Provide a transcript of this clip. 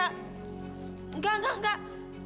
enggak enggak enggak